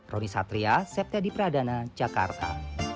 roni satria septya di pradana jakarta